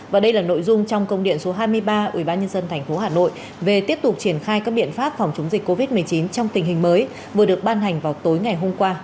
và đây là nội dung trong công điện số hai mươi ba ubnd tp hà nội về tiếp tục triển khai các biện pháp phòng chống dịch covid một mươi chín trong tình hình mới vừa được ban hành vào tối ngày hôm qua